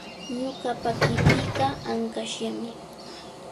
Ñuqapa qipiiqa ankashllami.